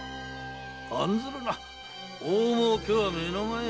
案ずるな大儲けは目の前じゃ。